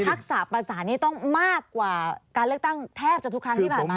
ทักษะประสานนี้ต้องมากกว่าการเลือกตั้งแทบจะทุกครั้งที่ผ่านมา